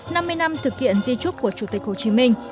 năm mươi năm thực hiện di trúc của chủ tịch hồ chí minh